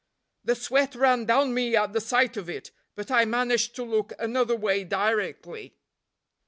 "The sweat ran down me at the sight of it, but I managed to look another way directly."